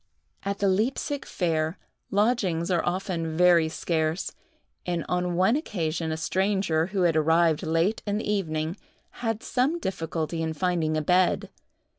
At the Leipsic fair, lodgings are often very scarce, and on one occasion a stranger, who had arrived late in the evening, had some difficulty in finding a bed.